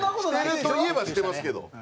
してるといえばしてますけど。